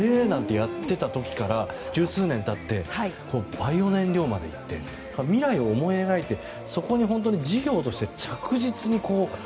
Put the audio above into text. やっていた時から十数年経ってバイオ燃料まで行って未来を描いてそこに事業として着実に。